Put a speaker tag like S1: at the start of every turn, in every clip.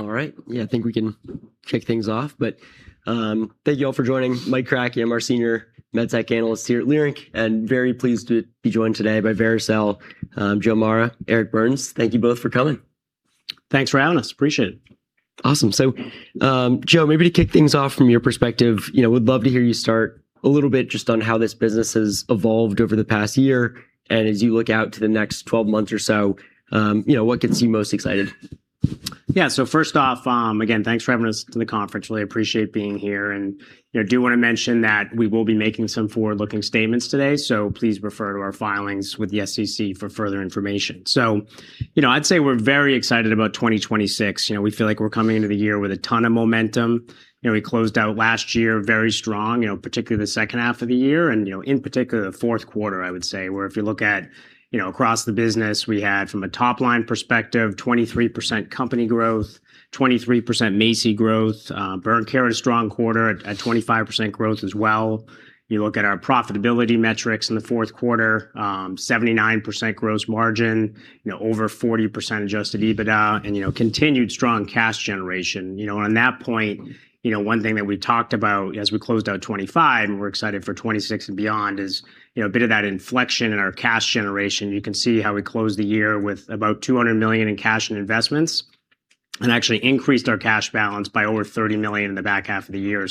S1: All right. Yeah, I think we can kick things off. Thank you all for joining. Mike Kratky, I am our senior med tech analyst here at Leerink, and very pleased to be joined today by Vericel, Joe Mara, Eric Burns. Thank you both for coming.
S2: Thanks for having us. Appreciate it.
S1: Awesome. Joe, maybe to kick things off from your perspective, you know, would love to hear you start a little bit just on how this business has evolved over the past year and as you look out to the next 12 months or so, you know, what gets you most excited?
S2: Yeah. First off, again, thanks for having us to the conference. Really appreciate being here. You know, do want to mention that we will be making some forward-looking statements today, so please refer to our filings with the SEC for further information. You know, I'd say we're very excited about 2026. You know, we feel like we're coming into the year with a ton of momentum. You know, we closed out last year very strong, you know, particularly the second half of the year and, you know, in particular, the fourth quarter, I would say, where if you look at, you know, across the business, we had from a top-line perspective, 23% company growth, 23% MACI growth, burn care a strong quarter at 25% growth as well. You look at our profitability metrics in the fourth quarter, 79% gross margin, you know, over 40% adjusted EBITDA, and, you know, continued strong cash generation. You know, on that point, you know, one thing that we talked about as we closed out 2025 and we're excited for 2026 and beyond is, you know, a bit of that inflection in our cash generation. You can see how we closed the year with about $200 million in cash and investments and actually increased our cash balance by over $30 million in the back half of the year.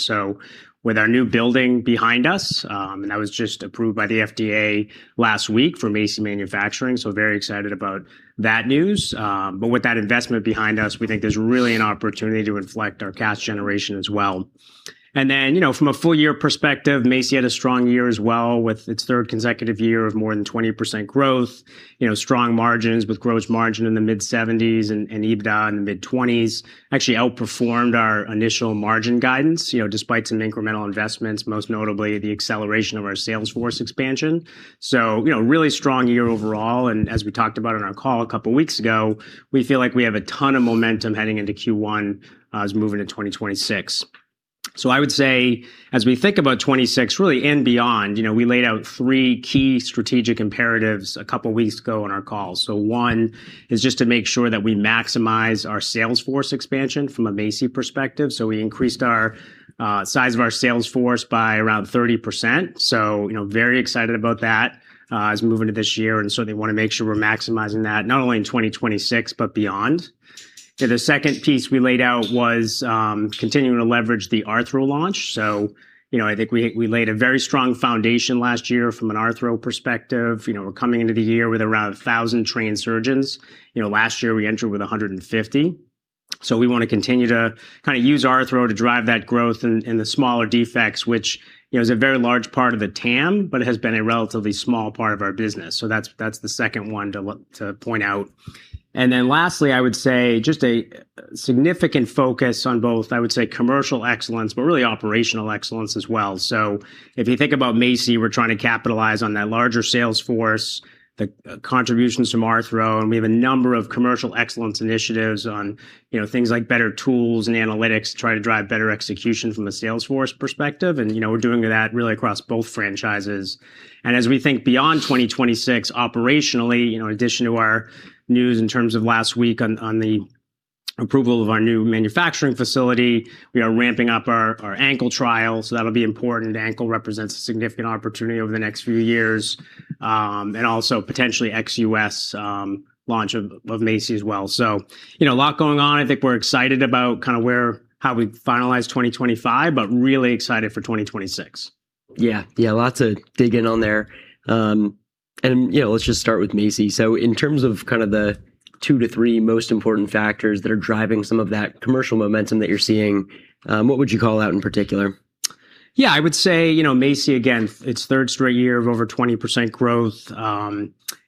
S2: With our new building behind us, and that was just approved by the FDA last week for MACI manufacturing, so very excited about that news. With that investment behind us, we think there's really an opportunity to inflect our cash generation as well. From a full year perspective, MACI had a strong year as well with its third consecutive year of more than 20% growth. You know, strong margins with gross margin in the mid-70s and EBITDA in the mid-20s actually outperformed our initial margin guidance, you know, despite some incremental investments, most notably the acceleration of our sales force expansion. You know, really strong year overall, and as we talked about on our call a couple weeks ago, we feel like we have a ton of momentum heading into Q1 as moving to 2026. I would say as we think about 2026 really and beyond, you know, we laid out three key strategic imperatives a couple weeks ago on our call. One is just to make sure that we maximize our sales force expansion from a MACI perspective. We increased our size of our sales force by around 30%. You know, very excited about that, as we move into this year. Certainly wanna make sure we're maximizing that not only in 2026, but beyond. The second piece we laid out was continuing to leverage the Arthro launch. You know, I think we laid a very strong foundation last year from an arthro perspective. You know, we're coming into the year with around 1,000 trained surgeons. You know, last year we entered with 150. We wanna continue to kinda use arthro to drive that growth in the smaller defects, which, you know, is a very large part of the TAM, but it has been a relatively small part of our business. That's the second one to point out. Then lastly, I would say just a significant focus on both, I would say, commercial excellence, but really operational excellence as well. If you think about MACI, we're trying to capitalize on that larger sales force, the contributions from arthro, and we have a number of commercial excellence initiatives on, you know, things like better tools and analytics to try to drive better execution from a sales force perspective. You know, we're doing that really across both franchises. As we think beyond 2026 operationally, you know, in addition to our news in terms of last week on the approval of our new manufacturing facility, we are ramping up our ankle trial, so that'll be important. Ankle represents a significant opportunity over the next few years, and also potentially ex-U.S. launch of MACI as well. You know, a lot going on. I think we're excited about kinda where, how we finalized 2025, but really excited for 2026.
S1: Yeah. Yeah, lots to dig in on there. You know, let's just start with MACI. In terms of kind of the two to three most important factors that are driving some of that commercial momentum that you're seeing, what would you call out in particular?
S2: Yeah. I would say, you know, MACI, again, its third straight year of over 20% growth.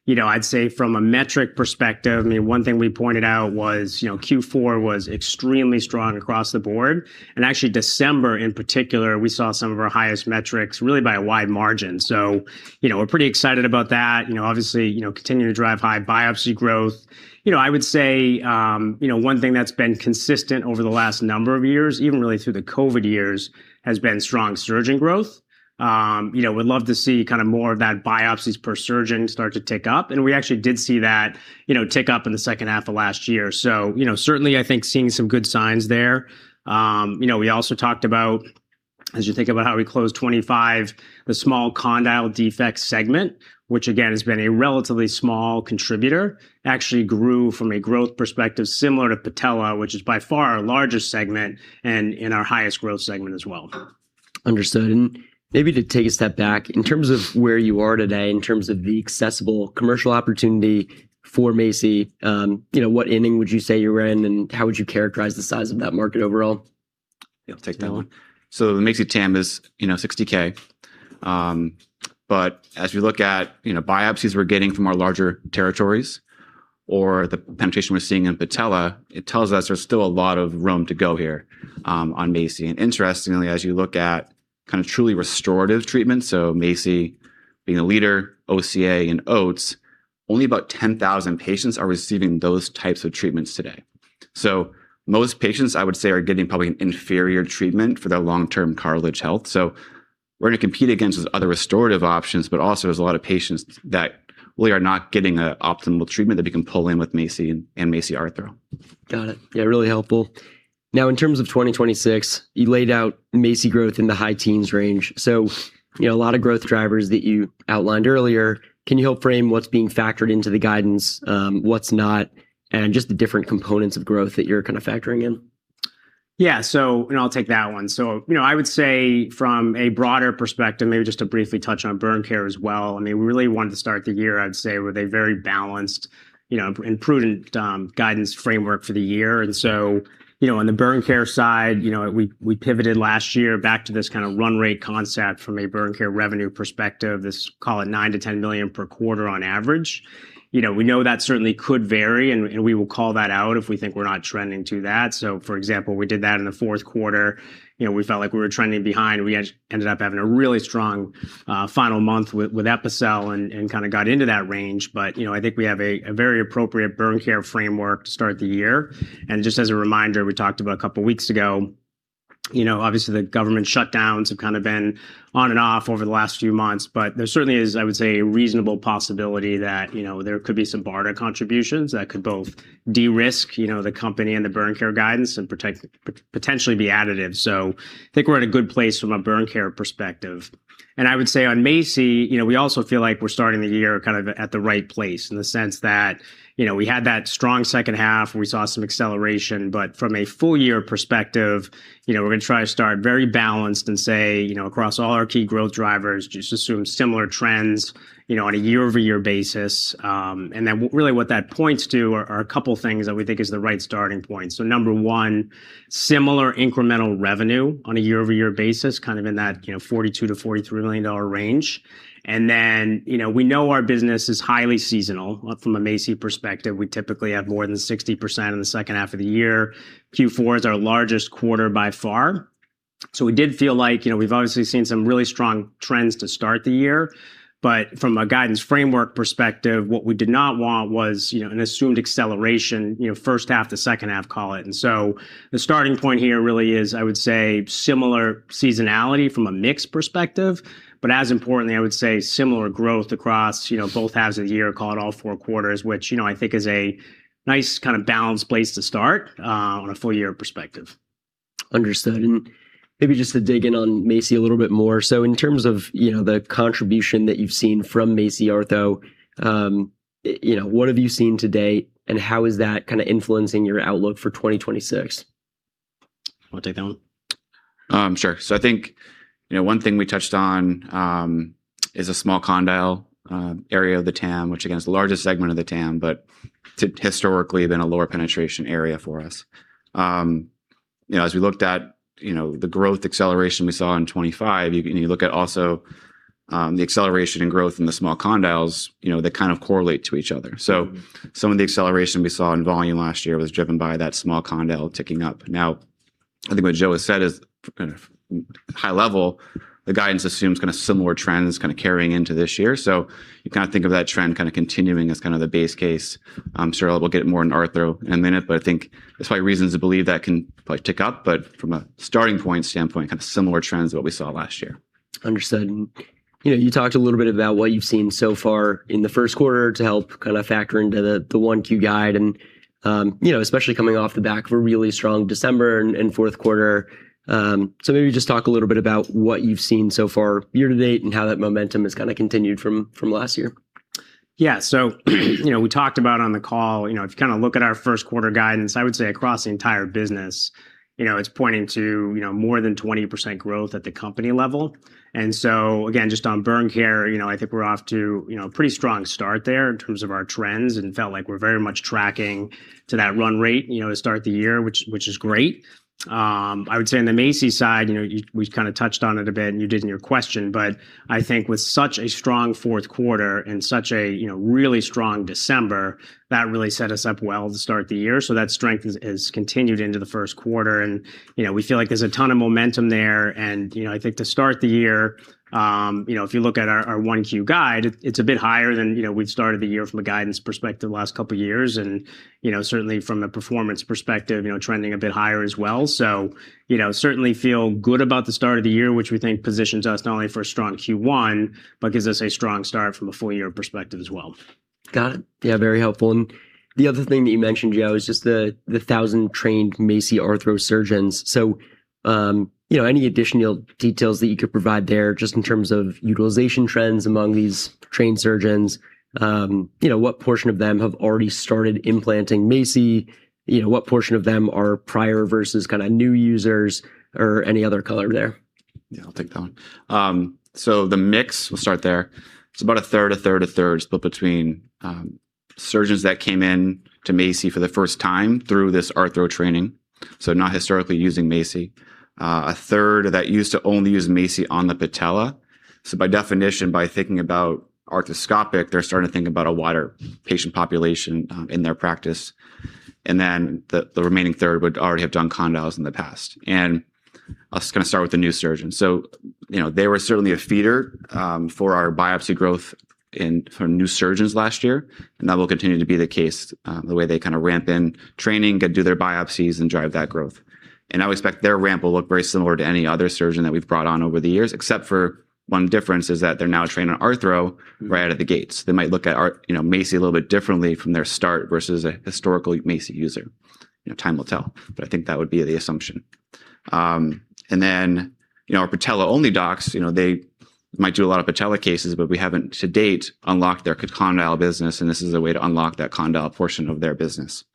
S2: You know, I'd say from a metric perspective, I mean, one thing we pointed out was, you know, Q4 was extremely strong across the board. Actually December in particular, we saw some of our highest metrics really by a wide margin. You know, we're pretty excited about that. You know, obviously, you know, continuing to drive high biopsy growth. You know, I would say, you know, one thing that's been consistent over the last number of years, even really through the COVID years, has been strong surgeon growth. You know, we'd love to see kind of more of that biopsies per surgeon start to tick up, and we actually did see that, you know, tick up in the second half of last year. You know, certainly I think seeing some good signs there. You know, we also talked about, as you think about how we closed 2025, the small condyle defect segment, which again has been a relatively small contributor, actually grew from a growth perspective similar to patella, which is by far our largest segment and our highest growth segment as well.
S1: Understood. Maybe to take a step back, in terms of where you are today, in terms of the accessible commercial opportunity for MACI, you know, what inning would you say you were in, and how would you characterize the size of that market overall?
S3: Yeah, I'll take that one. The MACI TAM is, you know, 60K. But as we look at, you know, biopsies we're getting from our larger territories or the penetration we're seeing in patella, it tells us there's still a lot of room to go here on MACI. Interestingly, as you look at kind of truly restorative treatments, so MACI being a leader, OCA and OATS, only about 10,000 patients are receiving those types of treatments today. Most patients, I would say, are getting probably an inferior treatment for their long-term cartilage health. We're gonna compete against these other restorative options, but also there's a lot of patients that really are not getting an optimal treatment that we can pull in with MACI and MACI Arthro.
S1: Got it. Yeah, really helpful. Now, in terms of 2026, you laid out MACI growth in the high teens range. You know, a lot of growth drivers that you outlined earlier. Can you help frame what's being factored into the guidance, what's not, and just the different components of growth that you're kind of factoring in?
S2: Yeah. I'll take that one. You know, I would say from a broader perspective, maybe just to briefly touch on burn care as well, and they really wanted to start the year, I'd say, with a very balanced, you know, and prudent guidance framework for the year. You know, on the burn care side, you know, we pivoted last year back to this kinda run rate concept from a burn care revenue perspective, this, call it, $9 million-$10 million per quarter on average. You know, we know that certainly could vary and we will call that out if we think we're not trending to that. For example, we did that in the fourth quarter. You know, we felt like we were trending behind. We ended up having a really strong final month with Epicel and kinda got into that range. But you know, I think we have a very appropriate burn care framework to start the year. Just as a reminder, we talked about a couple of weeks ago, you know, obviously the government shutdowns have kind of been on and off over the last few months, but there certainly is, I would say, a reasonable possibility that, you know, there could be some BARDA contributions that could both de-risk, you know, the company and the burn care guidance and potentially be additive. I think we're in a good place from a burn care perspective. I would say on MACI, you know, we also feel like we're starting the year kind of at the right place in the sense that, you know, we had that strong second half and we saw some acceleration. From a full year perspective, you know, we're gonna try to start very balanced and say, you know, across all our key growth drivers, just assume similar trends, you know, on a year-over-year basis. Really what that points to are a couple things that we think is the right starting point. Number one, similar incremental revenue on a year-over-year basis, kind of in that, you know, $42 million-$43 million range. We know our business is highly seasonal. From a MACI perspective, we typically have more than 60% in the second half of the year. Q4 is our largest quarter by far. We did feel like, you know, we've obviously seen some really strong trends to start the year, but from a guidance framework perspective, what we did not want was, you know, an assumed acceleration, you know, first half to second half, call it. The starting point here really is, I would say, similar seasonality from a mix perspective. As importantly, I would say similar growth across, you know, both halves of the year, call it all four quarters, which, you know, I think is a nice kind of balanced place to start on a full year perspective.
S1: Understood. Maybe just to dig in on MACI a little bit more. In terms of, you know, the contribution that you've seen from MACI Arthro, you know, what have you seen to date, and how is that kinda influencing your outlook for 2026?
S2: I'll take that one.
S3: Sure. I think, you know, one thing we touched on is a small condyle area of the TAM, which again is the largest segment of the TAM, but historically been a lower penetration area for us. You know, as we looked at, you know, the growth acceleration we saw in 2025, and you look at also the acceleration in growth in the small condyles, you know, they kind of correlate to each other.
S1: Mm-hmm.
S3: Some of the acceleration we saw in volume last year was driven by that small condyle ticking up. Now, I think what Joe has said is kind of high level, the guidance assumes kinda similar trends kinda carrying into this year. You kinda think of that trend kinda continuing as kinda the base case. I'm sure we'll get more in arthro in a minute, but I think there's probably reasons to believe that can probably tick up, but from a starting point standpoint, kind of similar trends to what we saw last year.
S1: Understood. You know, you talked a little bit about what you've seen so far in the first quarter to help kinda factor into the 1Q guide, you know, especially coming off the back of a really strong December and fourth quarter. Maybe just talk a little bit about what you've seen so far year to date and how that momentum has kinda continued from last year.
S2: Yeah. You know, we talked about on the call, you know, if you kinda look at our first quarter guidance, I would say across the entire business, you know, it's pointing to, you know, more than 20% growth at the company level. Again, just on burn care, you know, I think we're off to, you know, a pretty strong start there in terms of our trends and felt like we're very much tracking to that run rate, you know, to start the year, which is great. I would say on the MACI side, you know, you, we kinda touched on it a bit and you did in your question, but I think with such a strong fourth quarter and such a, you know, really strong December, that really set us up well to start the year. That strength has continued into the first quarter. You know, we feel like there's a ton of momentum there. You know, I think to start the year, you know, if you look at our 1Q guide, it's a bit higher than, you know, we'd started the year from a guidance perspective the last couple of years. You know, certainly from a performance perspective, you know, trending a bit higher as well. You know, certainly feel good about the start of the year, which we think positions us not only for a strong Q1, but gives us a strong start from a full year perspective as well.
S1: Got it. Yeah, very helpful. The other thing that you mentioned, Joe, is just the 1,000 trained MACI Arthro surgeons. You know, any additional details that you could provide there just in terms of utilization trends among these trained surgeons? You know, what portion of them have already started implanting MACI? You know, what portion of them are prior versus kinda new users or any other color there?
S3: Yeah, I'll take that one. The mix, we'll start there. It's about a third, a third, a third split between surgeons that came in to MACI for the first time through this arthro training, so not historically using MACI. A third that used to only use MACI on the patella. By definition, by thinking about arthroscopic, they're starting to think about a wider patient population in their practice. Then the remaining third would already have done condyles in the past. I was gonna start with the new surgeons. You know, they were certainly a feeder for our biopsy growth in sort of new surgeons last year, and that will continue to be the case, the way they kinda ramp in training to do their biopsies and drive that growth. I would expect their ramp will look very similar to any other surgeon that we've brought on over the years, except for one difference is that they're now trained on arthro right out of the gates. They might look at, you know, MACI a little bit differently from their start versus a historical MACI user. You know, time will tell, but I think that would be the assumption. You know, our patella only docs, you know, they might do a lot of patella cases, but we haven't to date unlocked their condyle business, and this is a way to unlock that condyle portion of their business.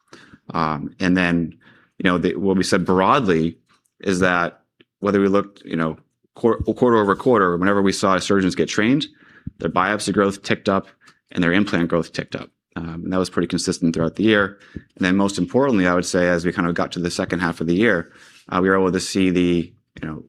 S3: You know, the, what we said broadly is that whether we looked, you know, quarter-over-quarter, whenever we saw surgeons get trained, their biopsy growth ticked up and their implant growth ticked up. That was pretty consistent throughout the year. Most importantly, I would say, as we kind of got to the second half of the year, we were able to see the, you know,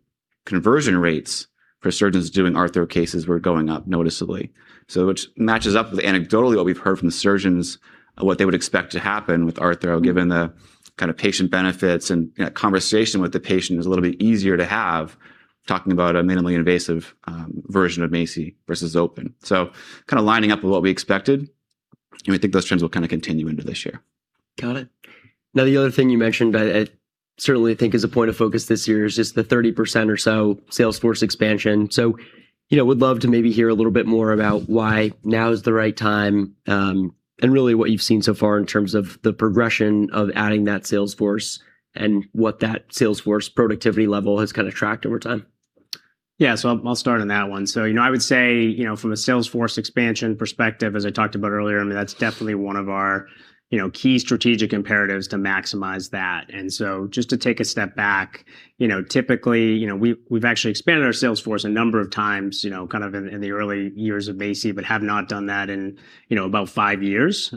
S3: conversion rates for surgeons doing arthro cases were going up noticeably. Which matches up with anecdotally what we've heard from the surgeons of what they would expect to happen with arthro, given the kind of patient benefits and, you know, conversation with the patient is a little bit easier to have talking about a minimally invasive version of MACI versus open. Kinda lining up with what we expected, and we think those trends will kind of continue into this year.
S1: Got it. Now, the other thing you mentioned I certainly think is a point of focus this year is just the 30% or so sales force expansion. You know, would love to maybe hear a little bit more about why now is the right time, and really what you've seen so far in terms of the progression of adding that sales force and what that sales force productivity level has kind of tracked over time.
S2: Yeah. I'll start on that one. You know, I would say, you know, from a sales force expansion perspective, as I talked about earlier, I mean, that's definitely one of our, you know, key strategic imperatives to maximize that. Just to take a step back, you know, typically, you know, we've actually expanded our sales force a number of times, you know, kind of in the early years of MACI, but have not done that in, you know, about five years.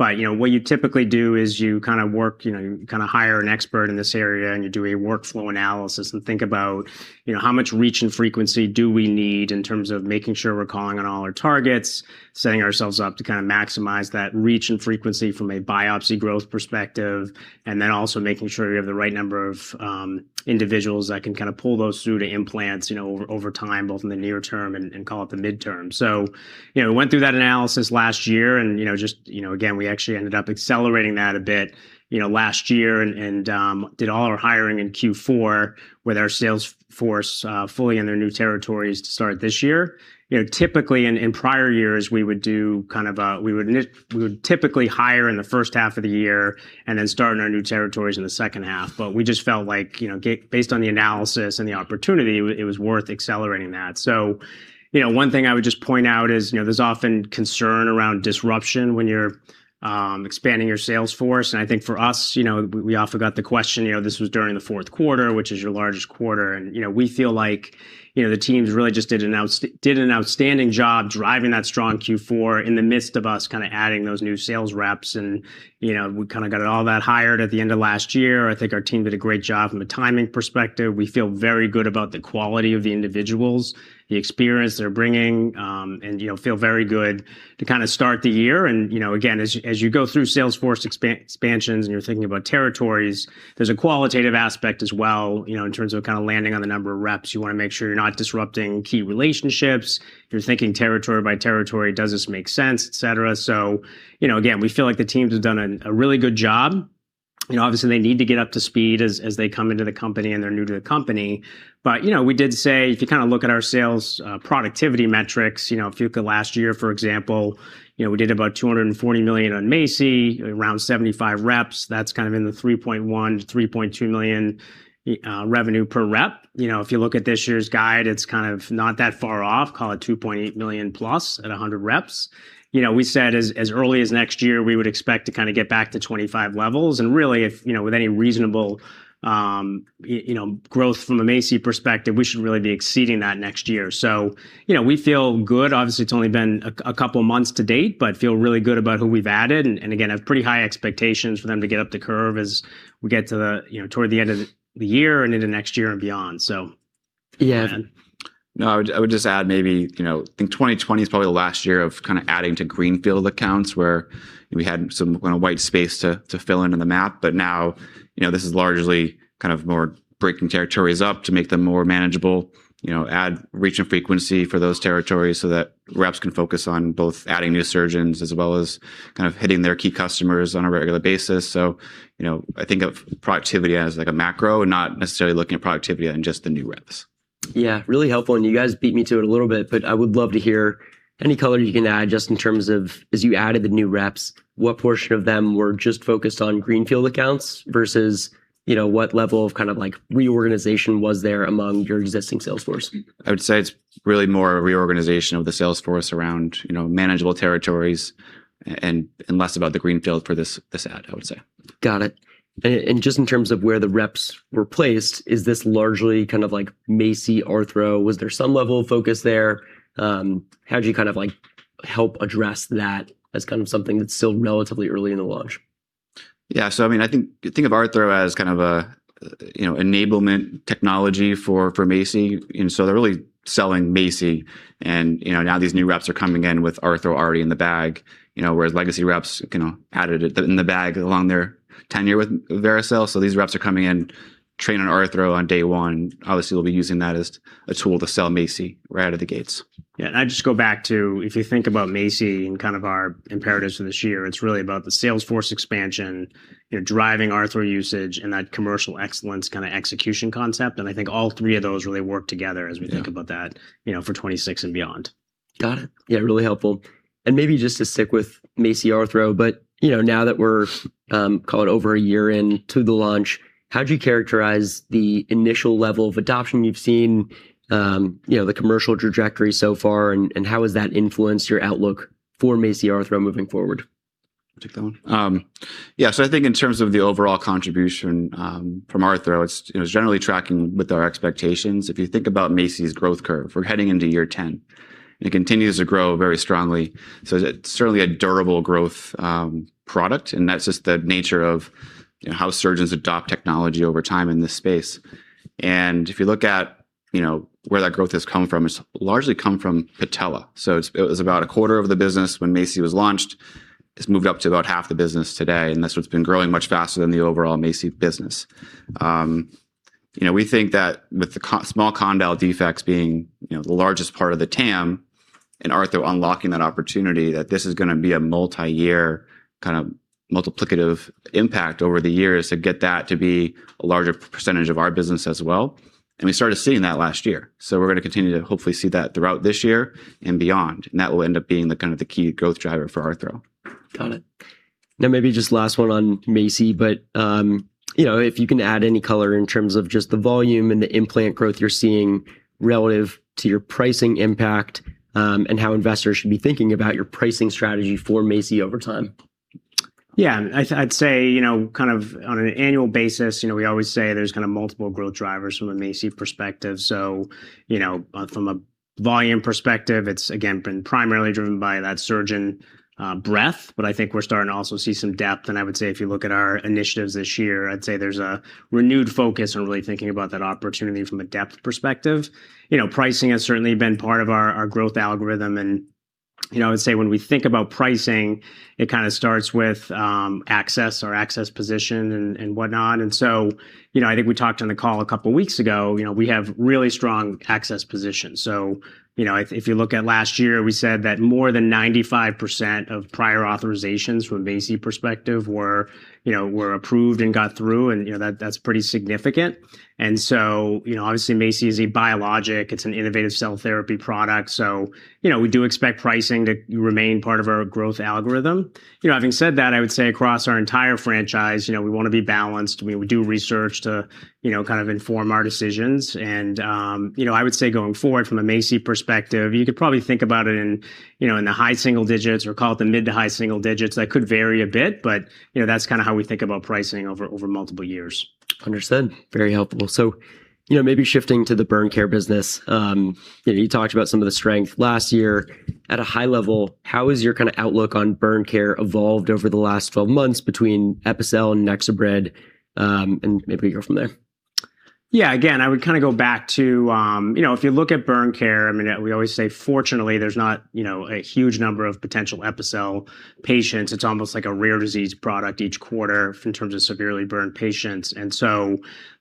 S2: You know, what you typically do is you kind of work, you know, you kind of hire an expert in this area, and you do a workflow analysis and think about, you know, how much reach and frequency do we need in terms of making sure we're calling on all our targets, setting ourselves up to kind of maximize that reach and frequency from a biopsy growth perspective, and then also making sure we have the right number of individuals that can kind of pull those through to implants, you know, over time, both in the near term and call it the midterm. You know, we went through that analysis last year and, you know, just, you know, again, we actually ended up accelerating that a bit, you know, last year and did all our hiring in Q4 with our sales force fully in their new territories to start this year. You know, typically in prior years, we would do kind of a, we would typically hire in the first half of the year and then start in our new territories in the second half. We just felt like, you know, based on the analysis and the opportunity, it was worth accelerating that. You know, one thing I would just point out is, you know, there's often concern around disruption when you're expanding your sales force, and I think for us, you know, we often got the question, you know, this was during the fourth quarter, which is your largest quarter, and, you know, we feel like, you know, the teams really just did an outstanding job driving that strong Q4 in the midst of us kind of adding those new sales reps and, you know, we kind of got all that hired at the end of last year. I think our team did a great job from a timing perspective. We feel very good about the quality of the individuals, the experience they're bringing, and, you know, feel very good to kind of start the year. You know, again, as you go through sales force expansions and you're thinking about territories, there's a qualitative aspect as well, you know, in terms of kind of landing on the number of reps. You want to make sure you're not disrupting key relationships. You're thinking territory by territory, does this make sense, et cetera. You know, again, we feel like the teams have done a really good job. You know, obviously they need to get up to speed as they come into the company and they're new to the company. You know, we did say if you kind of look at our sales productivity metrics, you know, if you look at last year, for example, you know, we did about $240 million on MACI, around 75 reps. That's kind of in the $3.1 million-$3.2 million revenue per rep. You know, if you look at this year's guide, it's kind of not that far off, call it $2.8 million plus at 100 reps. You know, we said as early as next year, we would expect to kind of get back to 2025 levels, and really if, you know, with any reasonable, you know, growth from a MACI perspective, we should really be exceeding that next year. You know, we feel good. Obviously, it's only been a couple of months to date, but feel really good about who we've added and again, have pretty high expectations for them to get up the curve as we get to the, you know, toward the end of the year and into next year and beyond.
S1: Yeah.
S3: No, I would just add maybe, you know, I think 2020 is probably the last year of kind of adding to greenfield accounts where we had some kind of white space to fill into the map. Now, you know, this is largely kind of more breaking territories up to make them more manageable, you know, add reach and frequency for those territories so that reps can focus on both adding new surgeons as well as kind of hitting their key customers on a regular basis. You know, I think of productivity as like a macro and not necessarily looking at productivity on just the new reps.
S1: Yeah, really helpful, and you guys beat me to it a little bit, but I would love to hear any color you can add just in terms of as you added the new reps, what portion of them were just focused on greenfield accounts versus, you know, what level of kind of like reorganization was there among your existing sales force?
S3: I would say it's really more a reorganization of the sales force around, you know, manageable territories and less about the greenfield for this add, I would say.
S1: Got it. Just in terms of where the reps were placed, is this largely kind of like MACI Arthro? Was there some level of focus there? How did you kind of like help address that as kind of something that's still relatively early in the launch?
S3: Yeah. I mean, I think of arthro as kind of a, you know, enablement technology for MACI. You know, they're really selling MACI and, you know, now these new reps are coming in with arthro already in the bag, you know, whereas legacy reps, you know, had it in the bag along their tenure with Vericel. These reps are coming in trained on arthro on day one. Obviously, we'll be using that as a tool to sell MACI right out of the gates.
S2: Yeah, I'd just go back to, if you think about MACI and kind of our imperatives for this year, it's really about the sales force expansion, you know, driving arthro usage and that commercial excellence kind of execution concept, and I think all three of those really work together as we think about that, you know, for 2026 and beyond.
S1: Got it. Yeah, really helpful. Maybe just to stick with MACI Arthro, but, you know, now that we're call it over a year into the launch, how do you characterize the initial level of adoption you've seen, you know, the commercial trajectory so far, and how has that influenced your outlook for MACI Arthro moving forward?
S2: Take that one?
S3: Yeah, I think in terms of the overall contribution from Arthro, you know, it's generally tracking with our expectations. If you think about MACI's growth curve, we're heading into year 10, and it continues to grow very strongly, so it's certainly a durable growth product, and that's just the nature of, you know, how surgeons adopt technology over time in this space. If you look at, you know, where that growth has come from, it's largely come from patella. It was about a quarter of the business when MACI was launched. It's moved up to about half the business today, and that's what's been growing much faster than the overall MACI business. You know, we think that with the small condyle defects being, you know, the largest part of the TAM and arthro unlocking that opportunity, that this is gonna be a multi-year kind of multiplicative impact over the years to get that to be a larger percentage of our business as well. We started seeing that last year, so we're gonna continue to hopefully see that throughout this year and beyond, and that will end up being the kind of key growth driver for arthro.
S1: Got it. Now maybe just last one on MACI, but, you know, if you can add any color in terms of just the volume and the implant growth you're seeing relative to your pricing impact, and how investors should be thinking about your pricing strategy for MACI over time.
S2: Yeah. I'd say, you know, kind of on an annual basis, you know, we always say there's kind of multiple growth drivers from a MACI perspective. You know, from a volume perspective, it's again been primarily driven by that surgeon breadth, but I think we're starting to also see some depth. I would say if you look at our initiatives this year, I'd say there's a renewed focus on really thinking about that opportunity from a depth perspective. You know, pricing has certainly been part of our growth algorithm. You know, I would say when we think about pricing, it kinda starts with access or access position and whatnot. You know, I think we talked on the call a couple weeks ago, you know, we have really strong access positions. You know, if you look at last year, we said that more than 95% of prior authorizations from MACI perspective were approved and got through and, you know, that that's pretty significant. You know, obviously MACI is a biologic, it's an innovative cell therapy product, so, you know, we do expect pricing to remain part of our growth algorithm. You know, having said that, I would say across our entire franchise, you know, we want to be balanced. We do research to, you know, kind of inform our decisions. You know, I would say going forward from a MACI perspective, you could probably think about it in, you know, in the high single digits or call it the mid to high single digits. That could vary a bit, but, you know, that's kinda how we think about pricing over multiple years.
S1: Understood. Very helpful. You know, maybe shifting to the burn care business. You know, you talked about some of the strength last year. At a high level, how has your kind of outlook on burn care evolved over the last twelve months between Epicel and NexoBrid, and maybe we go from there?
S2: Yeah, again, I would kinda go back to you know, if you look at burn care, I mean, we always say fortunately there's not, you know, a huge number of potential Epicel patients. It's almost like a rare disease product each quarter in terms of severely burned patients.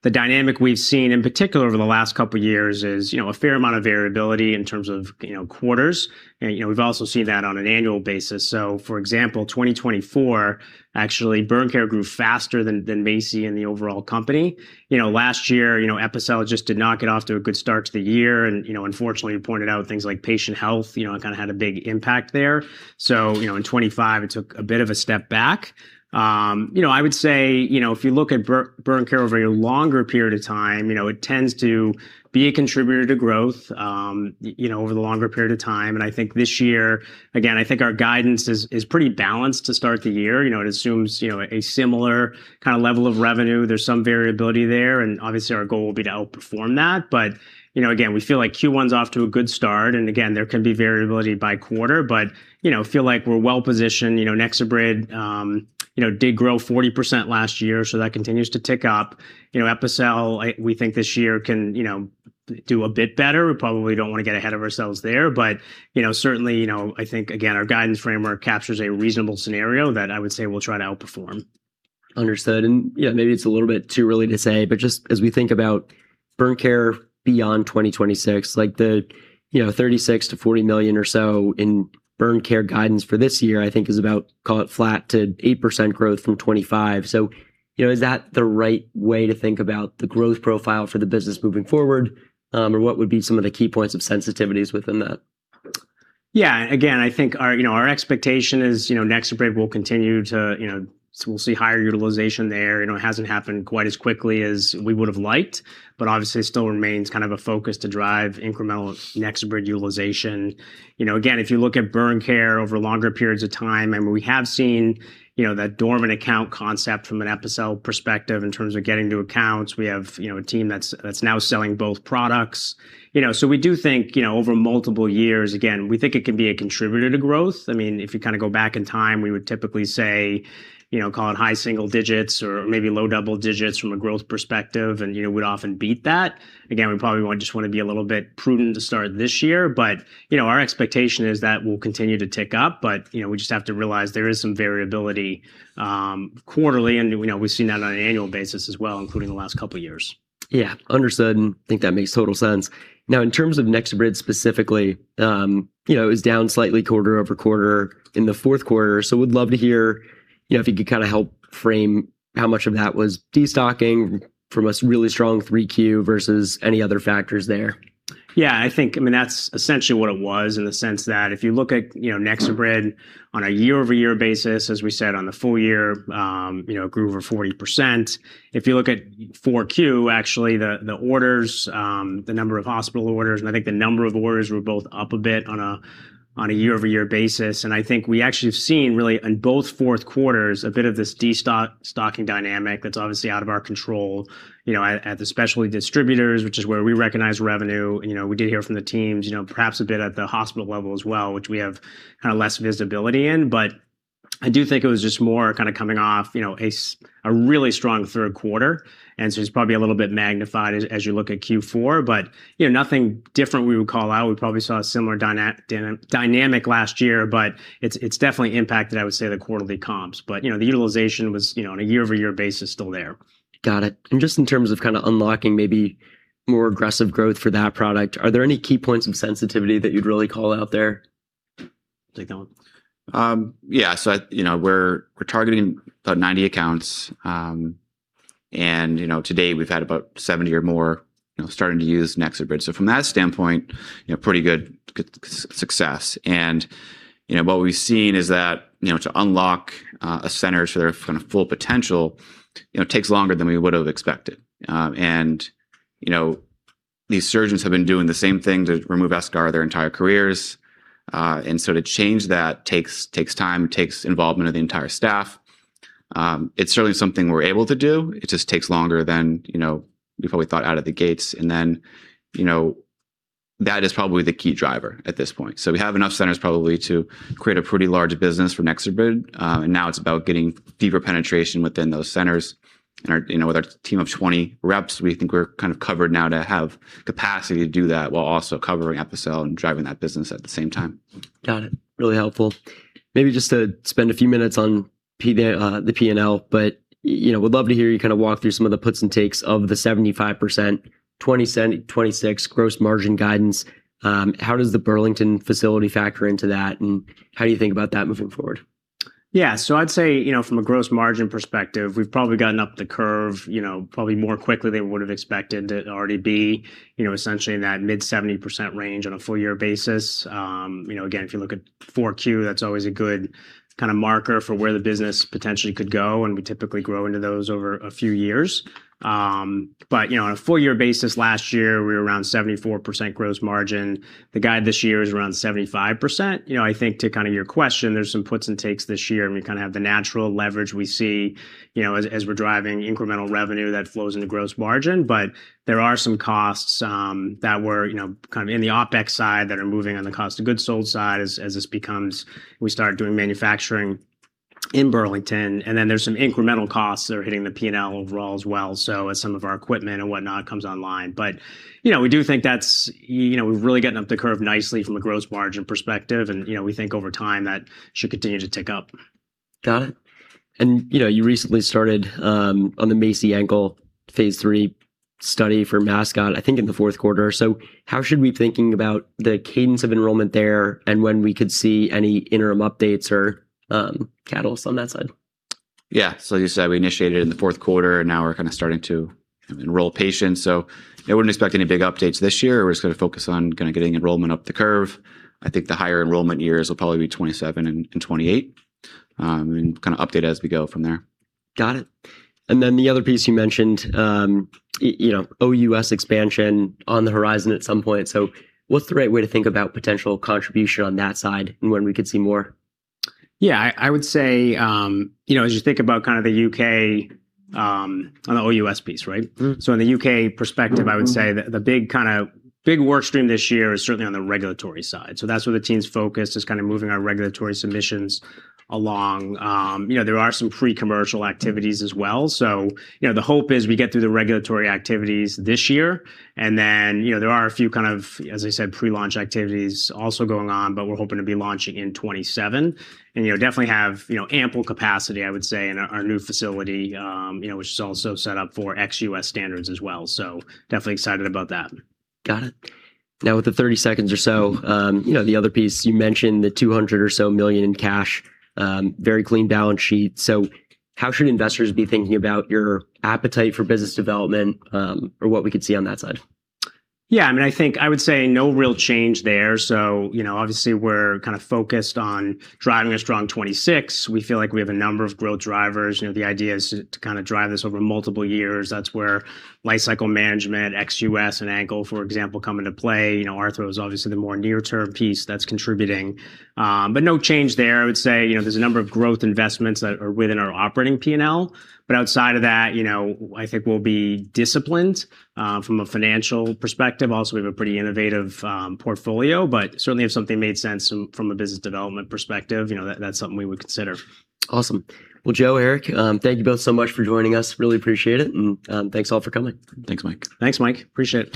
S2: The dynamic we've seen in particular over the last couple years is, you know, a fair amount of variability in terms of, you know, quarters. You know, we've also seen that on an annual basis. For example, 2024, actually burn care grew faster than MACI in the overall company. You know, last year, you know, Epicel just did not get off to a good start to the year and, you know, unfortunately you pointed out things like patient health, you know, it kind of had a big impact there. You know, in 2025 it took a bit of a step back. You know, I would say, you know, if you look at burn care over a longer period of time, you know, it tends to be a contributor to growth, you know, over the longer period of time. I think this year, again, I think our guidance is pretty balanced to start the year. You know, it assumes, you know, a similar kind of level of revenue. There's some variability there, and obviously our goal will be to outperform that. You know, again, we feel like Q1's off to a good start, and again, there can be variability by quarter, but, you know, feel like we're well-positioned. You know, NexoBrid, you know, did grow 40% last year, so that continues to tick up. You know, Epicel, we think this year can, you know, do a bit better. We probably don't want to get ahead of ourselves there, but, you know, certainly, you know, I think again, our guidance framework captures a reasonable scenario that I would say we'll try to outperform.
S1: Understood. Yeah, maybe it's a little bit too early to say, but just as we think about burn care beyond 2026, like the, you know, $36 million-$40 million or so in burn care guidance for this year, I think is about, call it flat to 8% growth from 2025. You know, is that the right way to think about the growth profile for the business moving forward? Or what would be some of the key points of sensitivities within that?
S2: Yeah. Again, I think our, you know, our expectation is, you know, NexoBrid will continue to, you know, so we'll see higher utilization there. You know, it hasn't happened quite as quickly as we would've liked, but obviously it still remains kind of a focus to drive incremental NexoBrid utilization. You know, again, if you look at burn care over longer periods of time, I mean, we have seen, you know, that dormant account concept from an Epicel perspective in terms of getting new accounts. We have, you know, a team that's now selling both products. You know, so we do think, you know, over multiple years, again, we think it can be a contributor to growth. I mean, if you kinda go back in time, we would typically say, you know, call it high single digits or maybe low double digits from a growth perspective, and, you know, we'd often beat that. Again, we probably want, just wanna be a little bit prudent to start this year, but, you know, our expectation is that will continue to tick up, but, you know, we just have to realize there is some variability quarterly, and, you know, we've seen that on an annual basis as well, including the last couple years.
S1: Yeah. Understood, and think that makes total sense. Now, in terms of NexoBrid specifically, you know, it was down slightly quarter-over-quarter in the fourth quarter, so would love to hear you know, if you could kind of help frame how much of that was destocking from a really strong 3Q versus any other factors there.
S2: Yeah, I think, I mean, that's essentially what it was in the sense that if you look at, you know, NexoBrid on a year-over-year basis, as we said on the full year, you know, grew over 40%. If you look at 4Q, actually the orders, the number of hospital orders, and I think the number of orders were both up a bit on a year-over-year basis. I think we actually have seen really in both fourth quarters a bit of this destocking dynamic that's obviously out of our control, you know, at the specialty distributors, which is where we recognize revenue. You know, we did hear from the teams, you know, perhaps a bit at the hospital level as well, which we have kind of less visibility in. I do think it was just more kind of coming off, you know, a really strong third quarter, and so it's probably a little bit magnified as you look at Q4. You know, nothing different we would call out. We probably saw a similar dynamic last year, but it's definitely impacted, I would say, the quarterly comps. You know, the utilization was, you know, on a year-over-year basis, still there.
S1: Got it. Just in terms of kind of unlocking maybe more aggressive growth for that product, are there any key points of sensitivity that you'd really call out there?
S2: Take that one.
S3: Yeah. You know, we're targeting about 90 accounts. You know, today we've had about 70 or more, you know, starting to use NexoBrid. From that standpoint, you know, pretty good success. You know, what we've seen is that, you know, to unlock a center to their kind of full potential, you know, takes longer than we would've expected. You know, these surgeons have been doing the same thing to remove eschar their entire careers. To change that takes time, takes involvement of the entire staff. It's certainly something we're able to do. It just takes longer than, you know, before we thought out of the gates. You know, that is probably the key driver at this point. We have enough centers probably to create a pretty large business for NexoBrid, and now it's about getting deeper penetration within those centers. Our, you know, with our team of 20 reps, we think we're kind of covered now to have capacity to do that while also covering Epicel and driving that business at the same time.
S1: Got it. Really helpful. Maybe just to spend a few minutes on the P&L, but you know, would love to hear you kind of walk through some of the puts and takes of the 75% 2026 gross margin guidance. How does the Burlington facility factor into that, and how do you think about that moving forward?
S2: I'd say, you know, from a gross margin perspective, we've probably gotten up the curve, you know, probably more quickly than we would've expected to already be, you know, essentially in that mid-70% range on a full year basis. You know, again, if you look at 4Q, that's always a good kind of marker for where the business potentially could go, and we typically grow into those over a few years. But you know, on a full year basis last year we were around 74% gross margin. The guide this year is around 75%. You know, I think to kind of your question, there's some puts and takes this year, and we kind of have the natural leverage we see, you know, as we're driving incremental revenue that flows into gross margin. There are some costs, you know, kind of in the OpEx side that are moving on the cost of goods sold side as we start doing manufacturing in Burlington, and then there's some incremental costs that are hitting the P&L overall as well, so as some of our equipment and whatnot comes online. You know, we do think that's, you know, we've really gotten up the curve nicely from a gross margin perspective and, you know, we think over time that should continue to tick up.
S1: Got it. You know, you recently started on the MACI ankle phase III study for MASCOT, I think in the fourth quarter. How should we be thinking about the cadence of enrollment there and when we could see any interim updates or catalysts on that side?
S3: Yeah. You said we initiated in the fourth quarter, and now we're kind of starting to enroll patients, so I wouldn't expect any big updates this year. We're just gonna focus on kind of getting enrollment up the curve. I think the higher enrollment years will probably be 2027 and 2028, and kind of update as we go from there.
S1: Got it. The other piece you mentioned, you know, OUS expansion on the horizon at some point. What's the right way to think about potential contribution on that side and when we could see more?
S2: Yeah. I would say, you know, as you think about kind of the U.K., on the OUS piece, right?
S1: Mm-hmm.
S2: So in the U.K. perspective-
S1: Mm-hmm
S2: I would say the big kind of big work stream this year is certainly on the regulatory side. That's where the team's focus is kind of moving our regulatory submissions along. You know, there are some pre-commercial activities as well. You know, the hope is we get through the regulatory activities this year. You know, there are a few kind of, as I said, pre-launch activities also going on, but we're hoping to be launching in 2027 and, you know, definitely have, you know, ample capacity, I would say, in our new facility, you know, which is also set up for ex-U.S. standards as well. Definitely excited about that.
S1: Got it. Now with the 30 seconds or so, you know, the other piece, you mentioned the $200 million or so in cash, very clean balance sheet. How should investors be thinking about your appetite for business development, or what we could see on that side?
S2: Yeah, I mean, I think I would say no real change there. You know, obviously we're kind of focused on driving a strong 2026. We feel like we have a number of growth drivers. You know, the idea is to kind of drive this over multiple years. That's where lifecycle management, ex-U.S. and ankle, for example, come into play. You know, arthro is obviously the more near term piece that's contributing. No change there. I would say, you know, there's a number of growth investments that are within our operating P&L, but outside of that, you know, I think we'll be disciplined from a financial perspective. Also, we have a pretty innovative portfolio. Certainly if something made sense from a business development perspective, you know, that's something we would consider.
S1: Awesome. Well, Joe, Eric, thank you both so much for joining us. Really appreciate it, and, thanks all for coming.
S2: Thanks, Mike. Appreciate it.